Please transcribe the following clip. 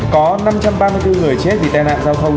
có năm trăm ba mươi bốn người chết vì tai nạn giao thông